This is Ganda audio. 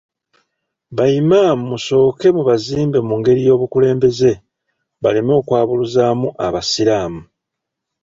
Ba Imam musooke mu bazimbe mu ngeri y'obukulembeze, baleme okwabuluzaamu abasiraamu.